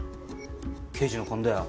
刑事の勘だよ。